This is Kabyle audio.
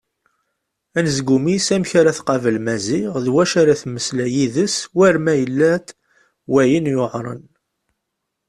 Anezgum-is amek ara tqabel Maziɣ d wacu ara temmeslay yid-s war ma yella-d wayen yuɛren.